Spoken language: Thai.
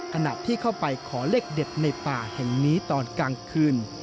ขณะที่เข้าไปขอเลขเด็ดในป่าแห่งนี้ตอนกลางคืน